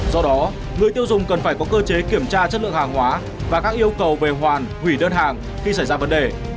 do đó người tiêu dùng cần phải có cơ chế kiểm tra chất lượng hàng hóa và các yêu cầu về hoàn hủy đơn hàng khi xảy ra vấn đề